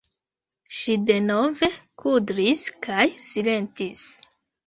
Ŝi denove kudris kaj silentis.